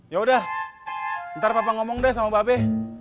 ya udah ntar papa ngomong deh sama mbak be